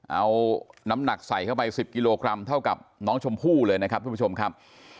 เอาน้ำหนักใส่เข้าไป๑๐กิโลกรัมเท่ากับน้องชมพู่เลยนะครับทุกผู้ชมครับ